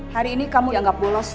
hari ini kamu dianggap bolos